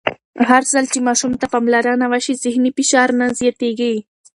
هرځل چې ماشوم ته پاملرنه وشي، ذهني فشار نه زیاتېږي.